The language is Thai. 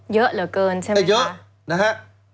เยอะเหลือเกินใช่ไหมครับ